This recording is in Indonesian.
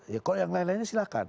ya kalau yang lain lainnya silahkan